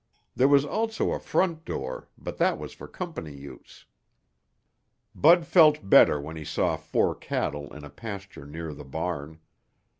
There was also a front door, but that was for company use. Bud felt better when he saw four cattle in a pasture near the barn.